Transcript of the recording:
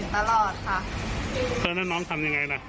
เห็นตลอดค่ะเพราะฉะนั้นน้องทำยังไงน่ะ